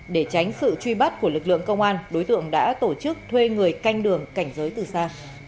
để tránh sự truy bắt của lực lượng công an đối tượng đã tổ chức thuê người canh đường cảnh giới từ xa